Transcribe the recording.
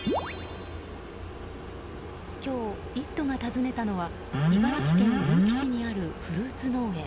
今日「イット！」が訪ねたのは茨城県結城市にあるフルーツ農園。